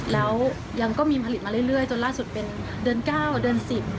แล้วยังก็มีผลิตมาเรื่อยจนล่าสุดเป็นเดือน๙เดือน๑๐